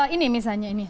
ini misalnya ini